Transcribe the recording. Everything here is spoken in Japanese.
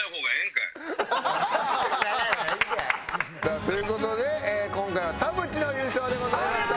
さあという事で今回は田渕の優勝でございました。